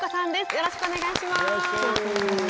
よろしくお願いします。